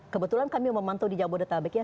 kebetulan kami memantau di jabodetabek ya